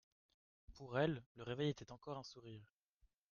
Pour elle, le réveil était encore un sourire.